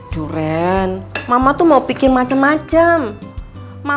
jadi mama jangan mikirin macem macem ya